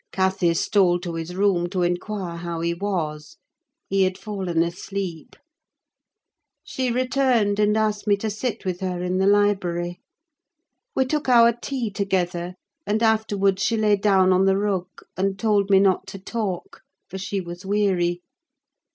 Cathy stole to his room to inquire how he was; he had fallen asleep. She returned, and asked me to sit with her in the library. We took our tea together; and afterwards she lay down on the rug, and told me not to talk, for she was weary.